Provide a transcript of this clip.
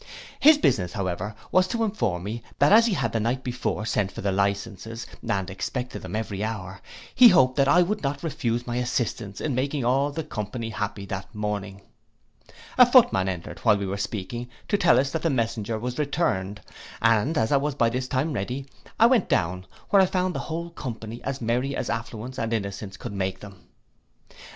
His business, however, was to inform me that as he had the night before sent for the licences, and expected them every hour, he hoped that I would not refuse my assistance in making all the company happy that morning. A footman entered while we were speaking, to tell us that the messenger was returned, and as I was by this time ready, I went down, where I found the whole company as merry as affluence and innocence could make them.